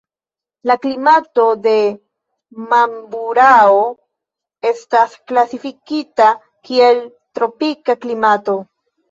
La klimato de Mamburao estas klasifikita kiel tropika klimato.